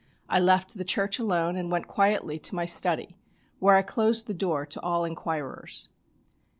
I left the church alone and went quietly to my study where I closed the door to all inquirers.